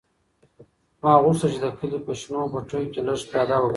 ما غوښتل چې د کلي په شنو پټیو کې لږ پیاده وګرځم.